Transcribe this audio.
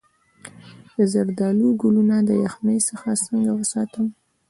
د زردالو ګلونه د یخنۍ څخه څنګه وساتم؟